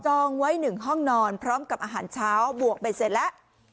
องไว้๑ห้องนอนพร้อมกับอาหารเช้าบวกไปเสร็จแล้ว